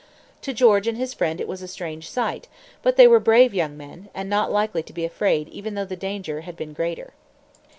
To George and his friend it was a strange sight; but they were brave young men, and not likely to be afraid even though the danger had been greater.